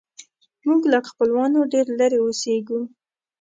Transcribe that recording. موږ له خپلوانو ډېر لیرې اوسیږو